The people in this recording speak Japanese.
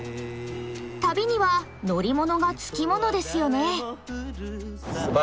旅には乗り物がつきものですよね。